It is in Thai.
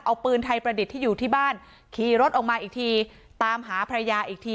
เอาปืนไทยประดิษฐ์ที่อยู่ที่บ้านขี่รถออกมาอีกทีตามหาภรรยาอีกที